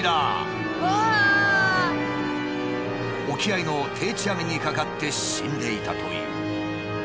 沖合いの定置網に掛かって死んでいたという。